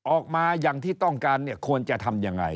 ออกมาอย่างที่ต้องการเนี่ยควรจะทำยังไง